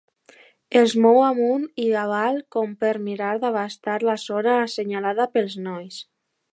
Els mou amunt i avall com per mirar d'abastar la zona assenyalada pels nois.